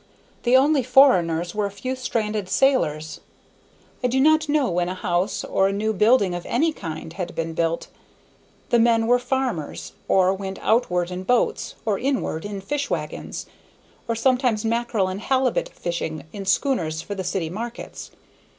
The only foreigners were a few stranded sailors. I do not know when a house or a new building of any kind had been built; the men were farmers, or went outward in boats, or inward in fish wagons, or sometimes mackerel and halibut fishing in schooners for the city markets.